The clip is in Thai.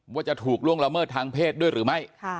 ว่าจะถูกล่วงละเมิดทางเพศด้วยหรือไม่